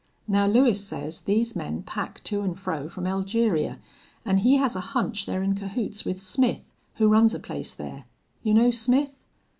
Now Lewis says these men pack to an' fro from Elgeria, an' he has a hunch they're in cahoots with Smith, who runs a place there. You know Smith?"